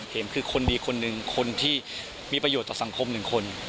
เกมคือคนดีคนหนึ่งคนที่มีประโยชน์ต่อสังคมหนึ่งคน